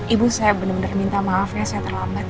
ibu saya bener bener minta maaf ya saya terlambat